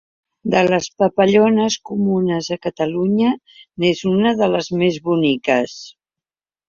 De les papallones comunes a Catalunya n'és una de les més boniques.